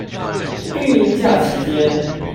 育嬰假期間